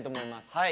はい。